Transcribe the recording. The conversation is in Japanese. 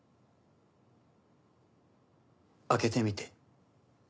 開けてみて。